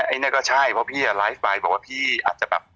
อันนี้ก็ใช่เพราะพี่ไลฟ์ไปบอกว่าพี่อาจจะแบบ